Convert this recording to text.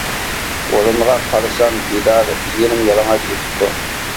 ئورۇنغا قارىسام بىدار يېرىم يالىڭاچ يېتىپتۇ.